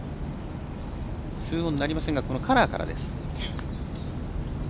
２オンなりませんがカラーから。